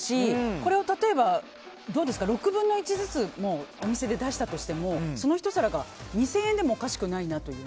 これを例えば６分の１ずつお店で出したとしてもその１皿が２０００円でもおかしくないなという。